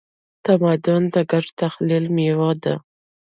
تمدن د ګډ تخیل میوه ده.